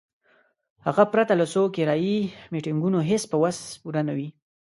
هغه پرته له څو کرایي میټینګونو هیڅ په وس پوره نه وي.